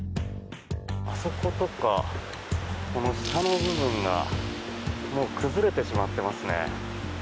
あそことかこの下の部分がもう崩れてしまっていますね。